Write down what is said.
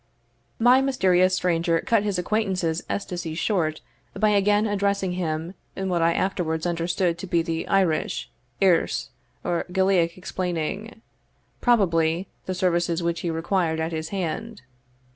My mysterious stranger cut his acquaintance's ecstasies short by again addressing him, in what I afterwards understood to be the Irish, Earse, or Gaelic, explaining, probably, the services which he required at his hand.